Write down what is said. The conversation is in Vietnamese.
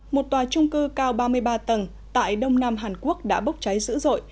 một tòa trung cư cao ba mươi ba tầng tại đông nam hàn quốc đã bốc cháy dữ dội